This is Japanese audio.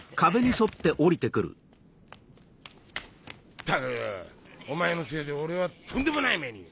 ったくお前のせいで俺はとんでもない目に。